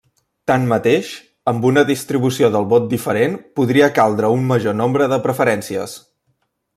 Tanmateix, amb una distribució del vot diferent podria caldre un major nombre de preferències.